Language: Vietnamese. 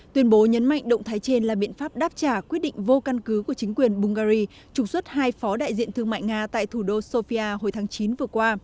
tuyên bố nhấn mạnh động thái trên là biện pháp đáp trả quyết định vô căn cứ của chính quyền bungary trục xuất hai phó đại diện thương mại nga tại thủ đô sofia hồi tháng chín vừa qua